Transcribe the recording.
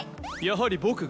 やはり僕が。